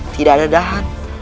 tidak ada dahan